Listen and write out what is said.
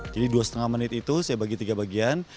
jadi dua lima menit itu saya bagi tiga bagian